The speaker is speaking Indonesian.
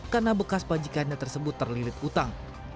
karena bekas panjikannya tersebut terlirit utang